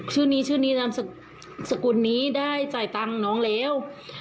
ชื่อนี้ชื่อนี้นามสกุลนี้ได้จ่ายตังค์น้องแล้ว